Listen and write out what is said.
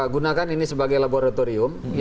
gunakan ini sebagai laboratorium